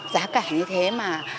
giá cả như thế mà